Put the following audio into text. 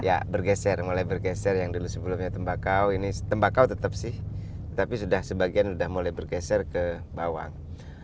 ya bergeser mulai bergeser yang dulu sebelumnya tembakau ini tembakau tetap sih tapi sebagian sudah mulai bergeser ke bawang